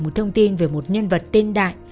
một thông tin về một nhân vật tên đại